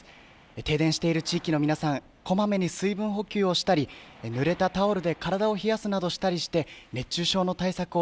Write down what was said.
停電している地域の皆さん、こまめに水分補給をしたりぬれたタオルで体を冷やすなどしたりして熱中症の対策を